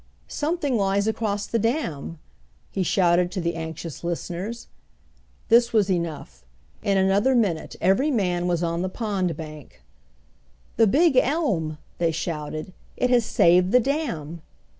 "Something lies across the dam!" he shouted to the anxious listeners. This was enough. In another minute every man was on the pond bank. "The big elm!" they shouted. "It has saved the dam!"